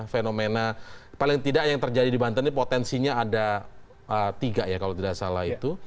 fenomena paling tidak yang terjadi di banten ini potensinya ada tiga ya kalau tidak salah itu